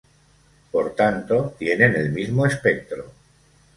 Por tanto, tienen el mismo espectro.